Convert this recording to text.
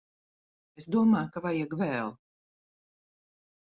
Es domāju ka vajag vēl.